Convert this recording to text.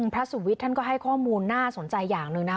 พระสุวิทย์ท่านก็ให้ข้อมูลน่าสนใจอย่างหนึ่งนะ